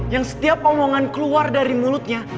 yang setiap omongan keluar dari mulutnya